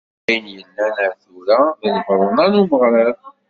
D ayen i yellan ar tura d lbaḍna n umeɣrad.